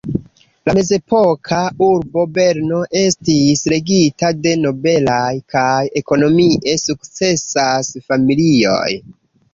La mezepoka urbo Berno estis regita de nobelaj kaj ekonomie sukcesaj familioj.